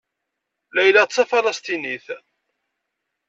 Layla d Tafalesṭinit.